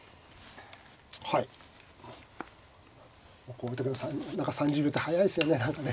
こういう時の３０秒って速いですよね何かね。